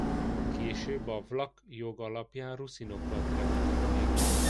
Később a vlach jog alapján ruszinokkal telepítették be.